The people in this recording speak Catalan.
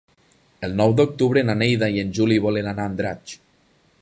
El nou d'octubre na Neida i en Juli volen anar a Andratx.